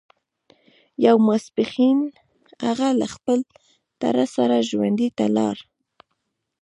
يو ماسپښين هغه له خپل تره سره ژرندې ته لاړ.